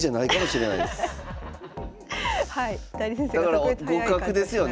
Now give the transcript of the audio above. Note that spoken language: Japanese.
だから互角ですよね